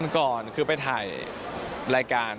ก่อนคือไปถ่ายรายการ